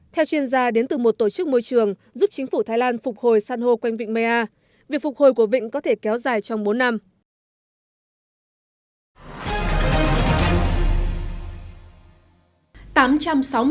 theo chuyên gia đến từ một tổ chức môi trường giúp chính phủ thái lan phục hồi san hô quanh vịnh maya việc phục hồi của vịnh có thể kéo dài trong bốn năm